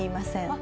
あ！